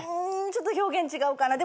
ちょっと表現違うかな。